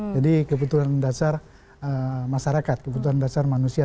jadi kebutuhan dasar masyarakat kebutuhan dasar manusia